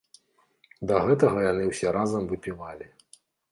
Да гэтага яны ўсе разам выпівалі.